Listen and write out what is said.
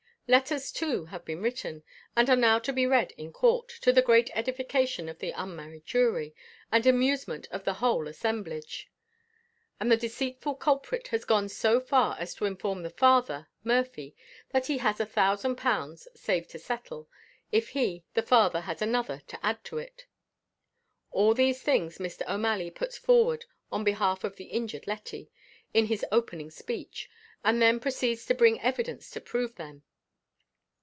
Letters, too have been written, and are now to be read in court, to the great edification of the unmarried jury, and amusement of the whole assemblage; and the deceitful culprit has gone so far as to inform the father, Murphy, that he has a thousand pounds saved to settle, if he, the father, has another to add to it. All these things Mr. O'Malley puts forward on behalf of the injured Letty, in his opening speech, and then proceeds to bring evidence to prove them.